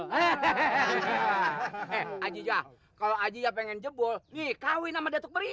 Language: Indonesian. hei ajijang kalo ajijang pengen jebul nih kawin sama detok meri nih